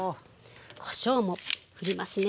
こしょうもふりますね。